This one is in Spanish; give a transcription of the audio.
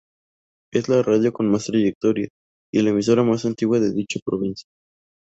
Es la radio con más trayectoria y la emisora más antigua de dicha provincia.